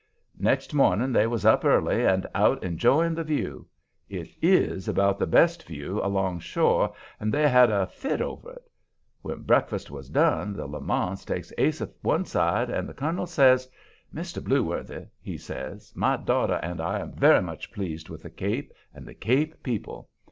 Next morning they was up early and out enjoying the view; it IS about the best view alongshore, and they had a fit over it. When breakfast was done the Lamonts takes Asaph one side and the colonel says: "Mr. Blueworthy," he says, "my daughter and I am very much pleased with the Cape and the Cape people.